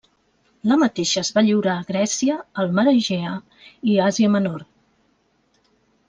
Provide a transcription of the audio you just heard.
La mateixa es va lliurar a Grècia, el Mar Egea i Àsia Menor.